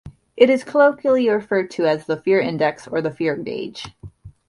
It is colloquially referred to as the "fear index" or the "fear gauge".